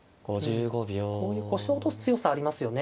こういう腰を落とす強さありますよね